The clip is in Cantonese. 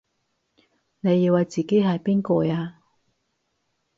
你以為自己係邊個啊？